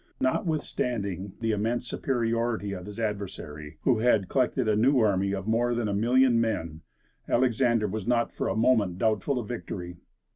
Notwithstanding the immense superiority of his adversary, who had collected a new army of more than a million men, Alexander was not for a moment doubtful of victory.